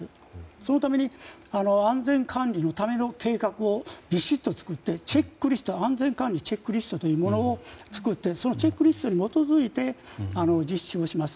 そのため、安全管理のための計画をびしっと作って安全管理チェックリストというものを作ってそのチェックリストに基づいて実施します。